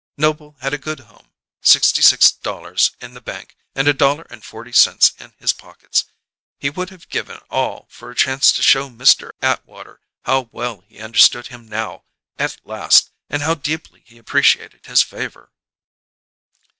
Noble had a good home, sixty six dollars in the bank and a dollar and forty cents in his pockets; he would have given all for a chance to show Mr. Atwater how well he understood him now, at last, and how deeply he appreciated his favour.